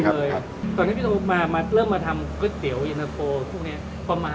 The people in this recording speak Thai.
ตอนนั้นพี่โถปล่ามาทำเครือเตี๋ยวยเยนาโฟ